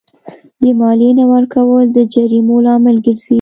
د مالیې نه ورکول د جریمو لامل ګرځي.